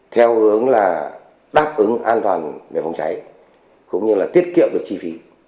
theo hướng là đáp ứng an toàn về phòng cháy cũng như là tiết kiệm được chi phí